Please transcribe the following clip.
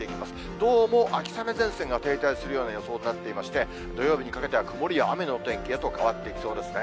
どうも秋雨前線が停滞するような予想になってまして、土曜日にかけては曇りや雨のお天気へと変わっていきそうですね。